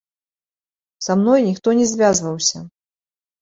Са мной ніхто не звязваўся.